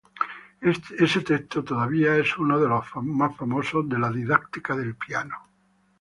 Ese texto es todavía uno de los más famosos de la didáctica del piano.